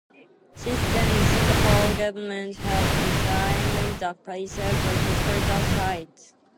Since then, the Singapore Government has designated the place as a "Historical Site".